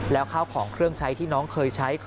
แล้วข้าวของเครื่องใช้ที่น้องเคยใช้